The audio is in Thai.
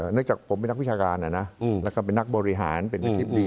เนื่องจากผมเป็นนักวิชาการน่ะนะอืมแล้วก็เป็นนักบริหารเป็นเป็นนิดดี